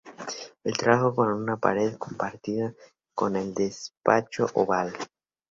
Él trabajó con una pared compartida con el Despacho Oval.